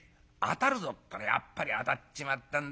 ったらやっぱりあたっちまったんだ。